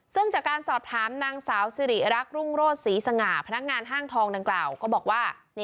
ซึ่งจากการสอบถามนางสาวสิริรักษ์รุ่งโรศศรีสง่าพนักงานห้างทองดังกล่าวก็บอกว่า